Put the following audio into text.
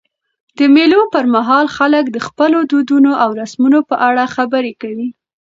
د مېلو پر مهال خلک د خپلو دودونو او رسمونو په اړه خبري کوي.